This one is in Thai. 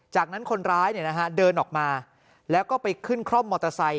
จากนั้นคนร้ายเดินออกมาแล้วก็ไปขึ้นคร่อมมอเตอร์ไซค